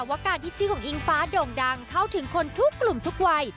ว่าการที่ชื่อของอิงฟ้าโด่งดังเข้าถึงคนทุกกลุ่มทุกวัย